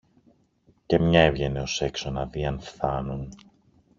και μια έβγαινε ως έξω να δει αν φθάνουν